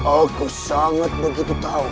aku sangat begitu tahu